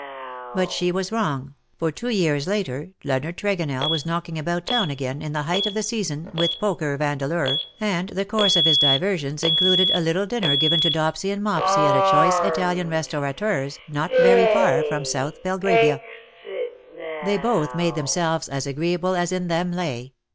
But she was wrong, for two years later Leonard Tregonell was knocking about town again, in the height of the season, with Poker Vandeleur, and the course of his diversions included a little dinner given to Dopsy and Mopsy at a choice Italian restaurateur's not very far from South Belgravia. 186 ^' AND PALE FROM THE PAST They both made themselves as agreeable as in them lay.